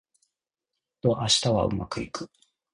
きっと明日はうまくいく